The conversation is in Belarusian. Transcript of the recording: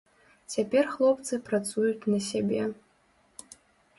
Цяпер хлопцы працуюць на сябе.